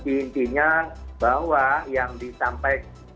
intinya bahwa yang ditampilkan